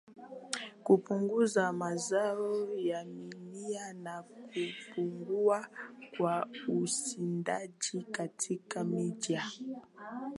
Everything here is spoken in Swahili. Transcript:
kupunguza mazao ya mimea na kupungua kwa ushindani katika miji